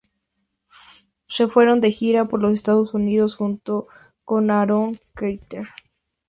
Se fueron de gira por los Estados Unidos junto con Aaron Carter.